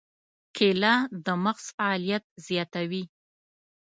کېله د مغز فعالیت زیاتوي.